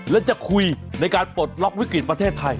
และจะคุยในการปลดล็อกวิกฤติประเทศไทย